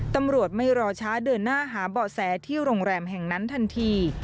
ตำรวจไม่รอช้าเดินหน้าหาเบาะแสที่โรงแรมแห่งนั้นทันที